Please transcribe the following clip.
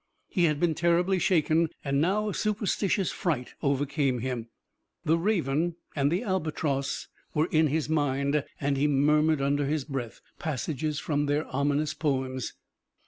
He had been terribly shaken, and now a superstitious fright overcame him. The raven and the albatross were in his mind and he murmured under his breath passages from their ominous poems.